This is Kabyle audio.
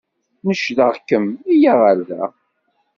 Necdeɣ-kem iyya ɣer da.